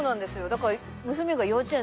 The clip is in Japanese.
だから。